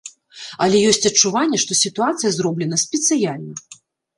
Але ёсць адчуванне, што сітуацыя зроблена спецыяльна.